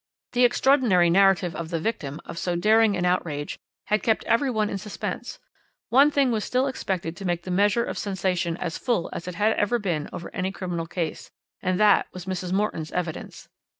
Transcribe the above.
"The extraordinary narrative of the victim of so daring an outrage had kept every one in suspense; one thing was still expected to make the measure of sensation as full as it had ever been over any criminal case, and that was Mrs. Morton's evidence.